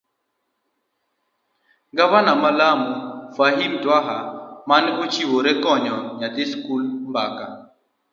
gavana ma Lamu, Fahim Twaha mane ochiwre konyo nyathi sikul. mbaka